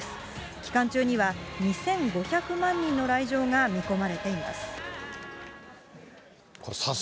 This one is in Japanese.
期間中には２５００万人の来場が見込まれています。